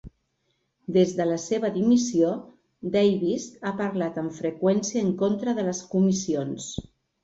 Des de la seva dimissió, Davis ha parlat amb freqüència en contra de les comissions.